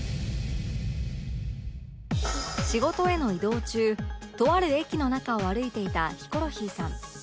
仕事への移動中とある駅の中を歩いていたヒコロヒーさん